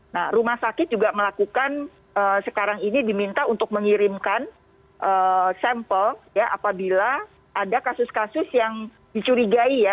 nah rumah sakit juga melakukan sekarang ini diminta untuk mengirimkan sampel ya apabila ada kasus kasus yang dicurigai ya